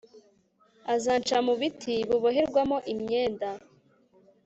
azanca mu biti biboherwamo imyenda